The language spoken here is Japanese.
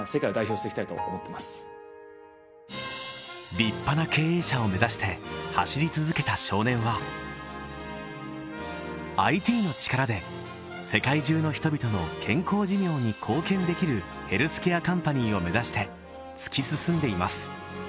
立派な経営者を目指して走り続けた少年はＩＴの力で世界中の人々の健康寿命に貢献できるヘルスケアカンパニーを目指して突き進んでいます